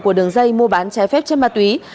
của đường dây mua bán trái phép trên mặt tuy